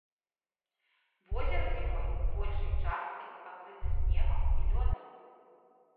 Возера зімой большай часткай пакрыта снегам і лёдам.